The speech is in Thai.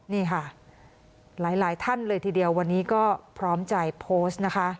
นี่ค่ะหลายท่านเลยทีเดียววันนี้ก็พร้อมใจโพสต์นะคะ